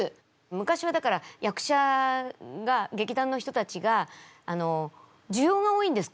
昔はだから役者が劇団の人たちがじゅようが多いんです